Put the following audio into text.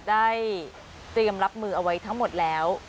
เตรียมรับมือเอาไว้ทั้งหมดแล้ว